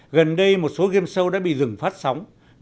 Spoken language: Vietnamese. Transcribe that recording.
gần đây một số game show đã bị dừng phát sóng